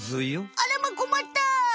あらまこまった！